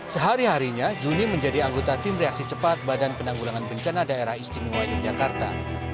sehari harinya juni menjadi anggota tim reaksi cepat badan penanggulangan bencana daerah istimewa yogyakarta